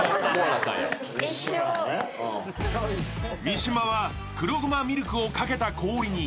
三島は黒ごまミルクをかけた氷に